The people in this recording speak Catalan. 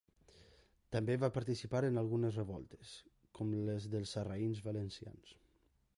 També va participar en algunes revoltes, com les dels sarraïns valencians.